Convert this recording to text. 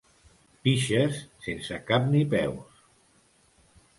Pixes sense cap ni peus.